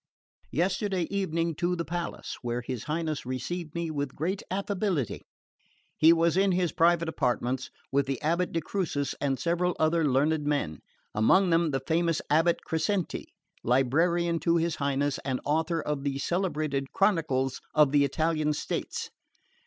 Yesterday evening to the palace, where his Highness received me with great affability. He was in his private apartments, with the abate de Crucis and several other learned men; among them the famous abate Crescenti, librarian to his Highness and author of the celebrated Chronicles of the Italian States.